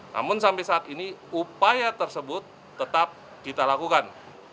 namun sampai saat ini upaya tersebut tetap kita lakukan